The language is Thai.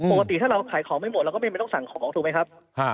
ปกติถ้าเราขายของไม่หมดเราก็ไม่ต้องสั่งของถูกไหมครับ